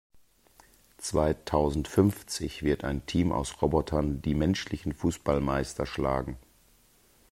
Zweitausendfünfzig wird ein Team aus Robotern die menschlichen Fußballweltmeister schlagen.